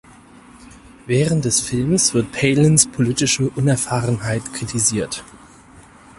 Während des Films wird Palins politische Unerfahrenheit kritisiert.